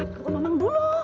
itu sama ambo dulu